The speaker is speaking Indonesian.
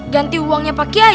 ganti uangnya pak kiai